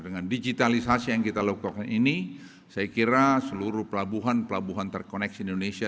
dengan digitalisasi yang kita lakukan ini saya kira seluruh pelabuhan pelabuhan terkoneksi indonesia